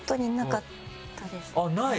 ない？